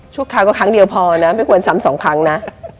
คราวก็ครั้งเดียวพอนะไม่ควรซ้ำสองครั้งนะ